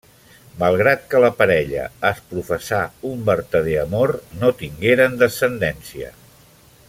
Malgrat que la parella es professà un vertader amor no tingueren descendència.